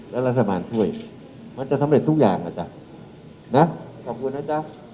แล้วรัฐบาลช่วยมันจะสำเร็จทุกอย่างนะจ๊ะนะขอบคุณนะจ๊ะ